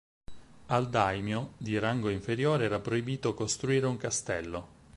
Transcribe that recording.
Ai daimyo di rango inferiore era proibito costruire un castello.